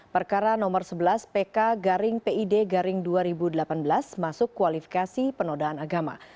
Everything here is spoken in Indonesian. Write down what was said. perkara nomor sebelas pk garing pid garing dua ribu delapan belas masuk kualifikasi penodaan agama